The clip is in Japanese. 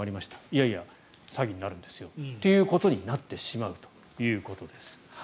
いやいや、詐欺になるんですよということになってしまうということです。